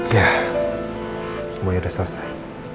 ya semuanya udah selesai